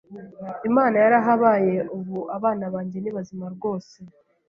Imana yarahabaye ubu abana banjye ni bazima rwose,